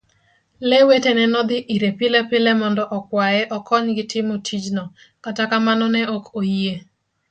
Lee wetene nodhi ire pilepile mondo okwaye okonygi timo tijno, kata kamano ne okoyie.